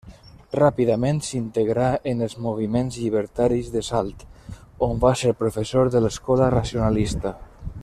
Ràpidament s'integrà en els moviments llibertaris de Salt, on va ser professor de l'Escola Racionalista.